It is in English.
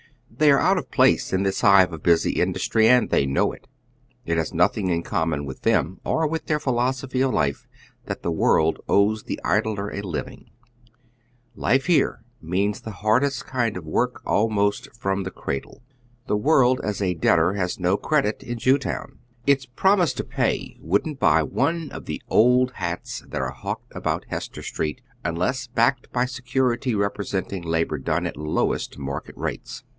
They are out of place in this hive of busy industry, and tliey know it. It has nothing in common with them or with their philosophy of life, that the world owes the idler a living. Life here means the hardest kind of work almost from the cradle. The world as a debtor jy Coo' I ^Ue" 106 HOW THE OTHER HALF LIVES. has no credit in Jewtown. Its promise to pay wouldn't buy one of tlie old hats that are hawked about Hester Street, unless backed by security representing iaboi' done at lowest market rates.